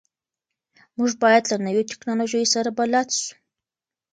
موږ باید له نویو ټکنالوژیو سره بلد سو.